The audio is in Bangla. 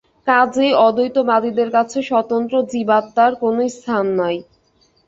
কাজেই অদ্বৈতবাদীদের কাছে স্বতন্ত্র জীবাত্মার কোন স্থান নাই।